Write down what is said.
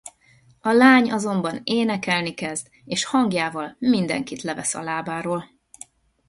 A lány azonban énekelni kezd és hangjával mindenkit levesz a lábáról.